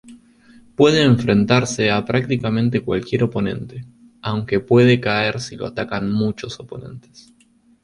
Puede enfrentarse a prácticamente cualquier oponente, aunque puede caer si lo atacan muchos oponentes.